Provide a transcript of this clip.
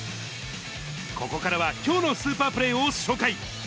ここからはきょうのスーパープレーを紹介。